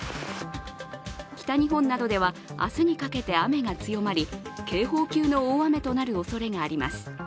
北日本などでは明日にかけて雨が強まり警報級の大雨となるおそれがあります。